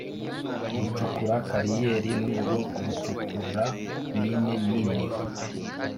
Gucukura kariyeri n urwo gucukura mine nini